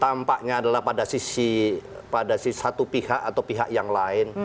tampaknya adalah pada satu pihak atau pihak yang lain